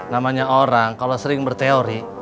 namanya orang kalau sering berteori